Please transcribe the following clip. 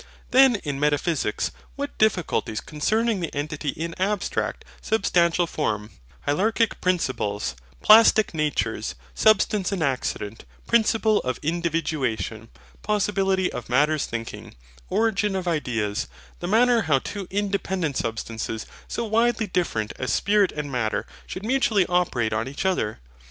Then in METAPHYSICS: what difficulties concerning entity in abstract, substantial forms, hylarchic principles, plastic natures, substance and accident, principle of individuation, possibility of Matter's thinking, origin of ideas, the manner how two independent substances so widely different as SPIRIT AND MATTER, should mutually operate on each other?